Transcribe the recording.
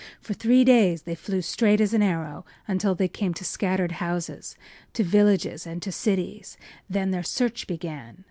For three days they flew straight as an arrow, until they came to scattered houses, to villages, and to cities. Then their search began.